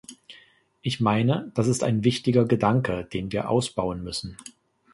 Ich meine, das ist ein wichtiger Gedanke, den wir ausbauen müssen.